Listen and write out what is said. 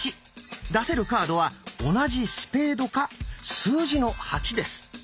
出せるカードは同じスペードか数字の「８」です。